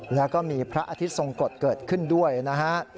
แล้วก็มีพระอาทิตย์ทรงกฎเกิดขึ้นด้วยนะฮะ